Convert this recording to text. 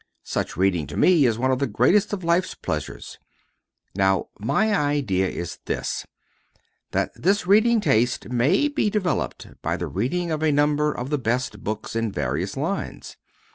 Such reading to me is one of the greatest of life's pleasures. Now, my idea is this: that this reading taste may be developed by the reading of a number of the best books in various lines.